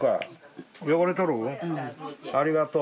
ありがとう。